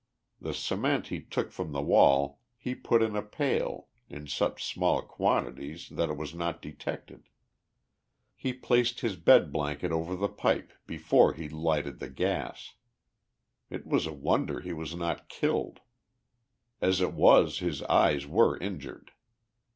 The cement he took from the wall he put in a pail in such small quantities that it was not detected. He placed his bed blanket over the pipe before he lighted the gas. It was a wonder he was not killed. As it was his eyes were injured.